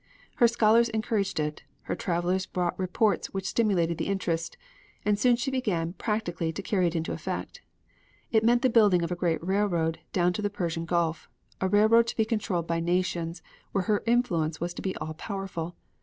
Her scholars encouraged it; her travelers brought reports which stimulated the interest, and soon she began practically to carry it into effect. It meant the building of a great railroad down to the Persian Gulf; a railroad to be controlled by nations where her influence would be all powerful.